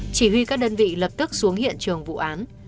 chỉ huy các đơn vị lập tức xuống hiện trường vụ án